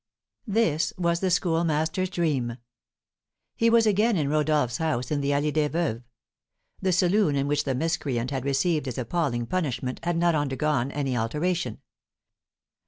This was the Schoolmaster's dream: He was again in Rodolph's house in the Allée des Veuves. The saloon in which the miscreant had received his appalling punishment had not undergone any alteration.